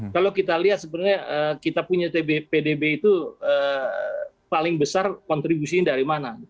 kalau kita lihat sebenarnya kita punya pdb itu paling besar kontribusinya dari mana